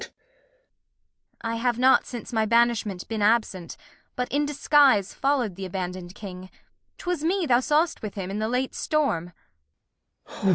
I have not since my Banishment been absent, But in Disguise follow' d th' abandon' d King : 'Twas me thou saw'st with him in the late Storm.